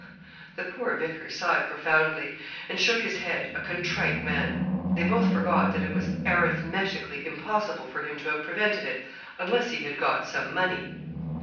The poor vicar sighed profoundly, and shook his head, a contrite man. They both forgot that it was arithmetically impossible for him to have prevented it, unless he had got some money.